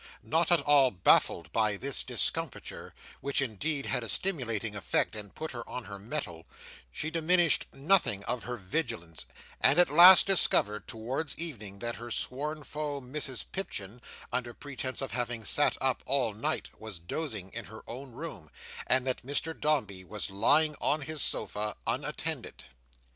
Not at all baffled by this discomfiture, which indeed had a stimulating effect, and put her on her mettle, she diminished nothing of her vigilance; and at last discovered, towards evening, that her sworn foe Mrs Pipchin, under pretence of having sat up all night, was dozing in her own room, and that Mr Dombey was lying on his sofa, unattended.